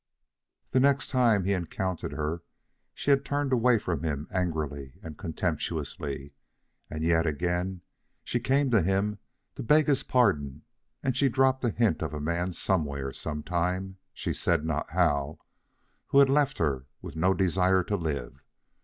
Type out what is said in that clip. The next time he encountered her she had turned away from him angrily and contemptuously. And yet again, she came to him to beg his pardon, and she dropped a hint of a man somewhere, sometime, she said not how, who had left her with no desire to live.